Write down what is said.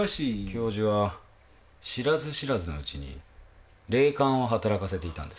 教授は知らず知らずのうちに霊感を働かせていたんです。